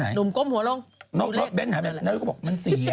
หนุ่มก้มหัวล่ม